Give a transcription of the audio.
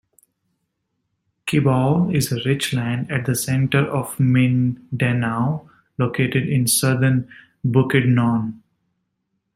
Kibawe is a rich land at the center of Mindanao, located in southern Bukidnon.